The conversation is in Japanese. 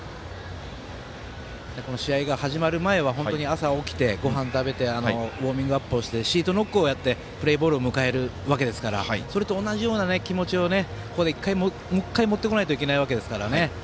試合が始まる前は朝起きて、ごはん食べてウォーミングアップをしてシートノックをしてプレーボールを迎えるわけですからそれと同じような気持ちをここでもう一回、持ってこないといけないわけですからね。